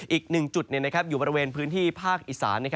อีกหนึ่งจุดอยู่บริเวณพื้นที่ภาคอีสาน